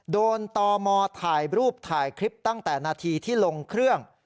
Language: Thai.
ตมถ่ายรูปถ่ายคลิปตั้งแต่นาทีที่ลงเครื่อง